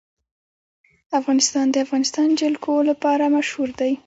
افغانستان د د افغانستان جلکو لپاره مشهور دی.